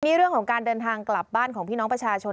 นี่เรื่องของการเดินทางกลับบ้านของพี่น้องประชาชน